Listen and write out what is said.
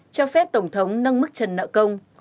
cho phép tổng thống nâng mức trần nợ công